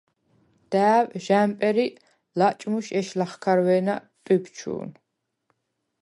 და̄̈ვ ჟ’ა̈მპერ ი ლაჭმუშ ეშ ლახქარვე̄ნა ტვიბჩუ̄ნ.